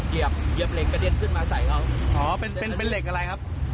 เหยียบเหล็กกระเด็นขึ้นมาใส่เขาอ๋อเป็นเป็นเหล็กอะไรครับ